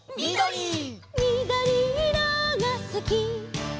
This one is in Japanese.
「みどりいろがすき」